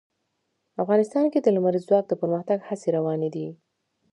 افغانستان کې د لمریز ځواک د پرمختګ هڅې روانې دي.